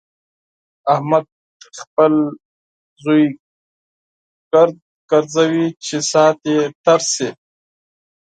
احمد خپل زوی ګرد ګرځوي چې ساعت يې تېر شي.